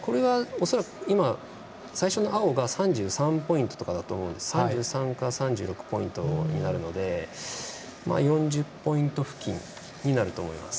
最初の青が恐らく３３ポイントとかだと思うので３３か３６ポイントになるので４０ポイント付近になると思います。